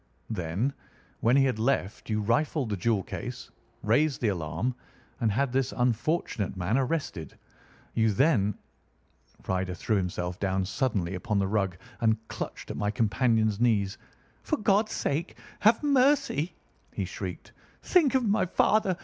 Then, when he had left, you rifled the jewel case, raised the alarm, and had this unfortunate man arrested. You then—" Ryder threw himself down suddenly upon the rug and clutched at my companion's knees. "For God's sake, have mercy!" he shrieked. "Think of my father!